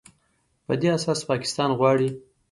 په دې اساس پاکستان غواړي